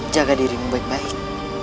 jaga dirimu baik baik